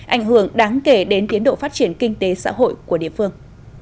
ảnh hưởng đáng kể đến tiến độ phát triển kinh tế xã hội của địa phương